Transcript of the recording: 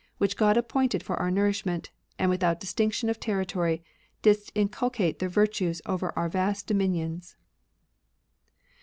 Which God appointed for our nourishment. And without distinction of territory. Didst inculcate the virtues over our vast dominions.